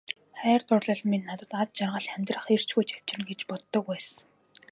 Хайр дурлал минь надад аз жаргал, амьдрах эрч хүч авчирна гэж боддог байсан.